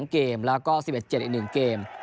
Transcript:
เกมแล้วก็๑๑๗อีก๑เกม